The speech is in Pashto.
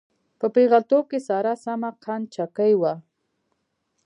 په پېغلتوب کې ساره سمه قند چکۍ وه.